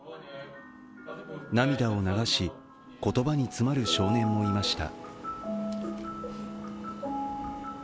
涙を流し、言葉につまる少年もいました。